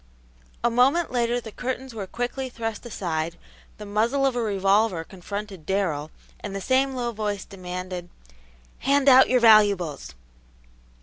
A moment later the curtains were quickly thrust aside, the muzzle of a revolver confronted Darrell, and the same low voice demanded, "Hand out your valuables!"